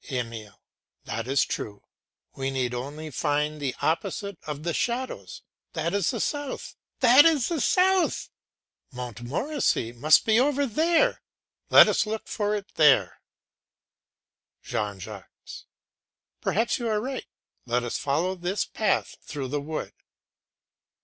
EMILE. That is true; we need only find the opposite of the shadows. That is the south! That is the south! Montmorency must be over there! Let us look for it there! JEAN JACQUES. Perhaps you are right; let us follow this path through the wood.